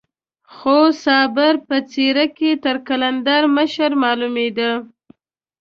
خو صابر په څېره کې تر قلندر مشر معلومېده.